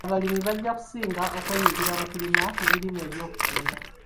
Abalimi bajja kusinga kwenyigira mu kulima ebirime eby'okutunda.